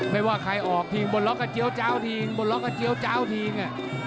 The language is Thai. ไม่ว่าใครออกทิ้งบนรกกระเจี๊ยวเจ้าทิ้งบนรกกระเจี๊ยวเจ้าทิ้ง